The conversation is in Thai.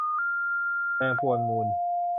แดง ปวนมูล